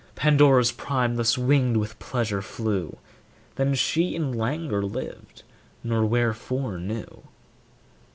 Pandora's prime thus winged with pleasure flew, Then she in languor lived, nor wherefore knew.